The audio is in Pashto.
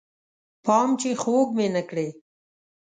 پام چې خوږ مې نه کړې